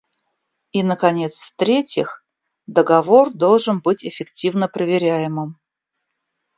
И наконец, в-третьих, договор должен быть эффективно проверяемым.